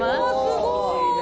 すごい。